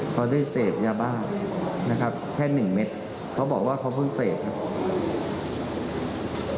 เขาได้เสพยาบ้านะครับแค่หนึ่งเม็ดเขาบอกว่าเขาเพิ่งเสพครับ